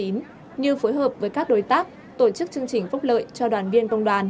như phối hợp với các đối tác tổ chức chương trình phúc lợi cho đoàn viên công đoàn